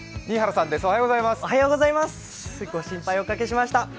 新原さんです、おはようございますご心配をおかけしました。